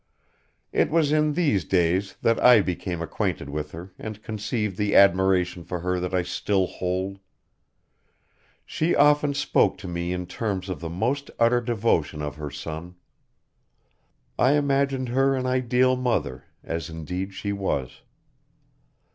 It was in these days that I became acquainted with her and conceived the admiration for her that I still hold. She often spoke to me in terms of the most utter devotion of her son. I imagined her an ideal mother, as indeed she was.